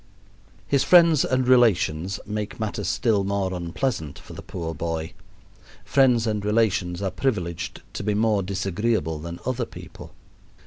His friends and relations make matters still more unpleasant for the poor boy (friends and relations are privileged to be more disagreeable than other people).